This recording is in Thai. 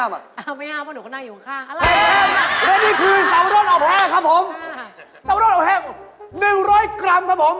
เขาจะแบบดูกากข้าวหน่วงมาครูแนน